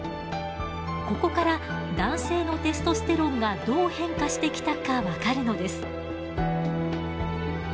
ここから男性のテストステロンがどう変化してきたか分かるのです。